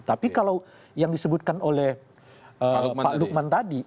tapi kalau yang disebutkan oleh pak lukman tadi